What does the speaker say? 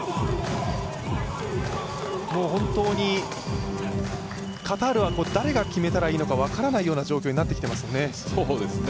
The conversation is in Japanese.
もう本当に、カタールは誰が決めたらいいのか分からないような状況になってきてますよね。